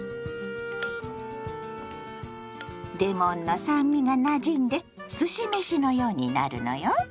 レモンの酸味がなじんですし飯のようになるのよ。